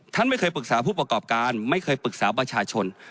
ท่านไม่เคยปรึกษาผู้ประกอบการไม่เคยปรึกษาประชาชน